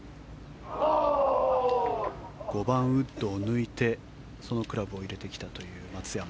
５番ウッドを抜いてそのクラブを入れてきたという松山。